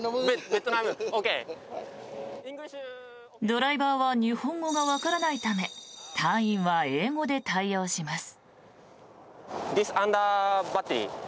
ドライバーは日本語がわからないため隊員は英語で対応します。